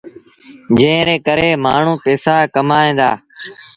جݩهݩ ري ڪري مآڻهوٚٚݩ پئيٚسآ ڪمائيٚݩ دآ